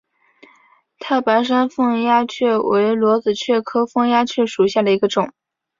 太白山凤丫蕨为裸子蕨科凤丫蕨属下的一个种。